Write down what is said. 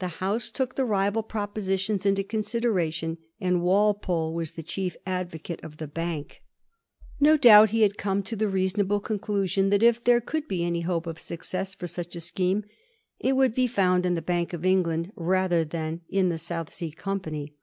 The House took the rival propositions into consideration* Walpole was the chief advocate of the Bank. No Digiti zed by Google 250 A HISTORY OF THE FOUR GEORGES. ch xi. doubt he had come to the reasonable conclusion that if there could be any hope of success for such a scheme, it would be found in the Bank of England rather than in the South Sea Company.